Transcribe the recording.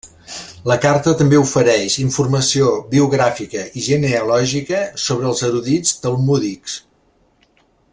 La carta també ofereix informació biogràfica i genealògica sobre els erudits talmúdics.